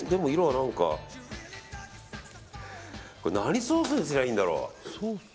何ソースにすればいいんだろう。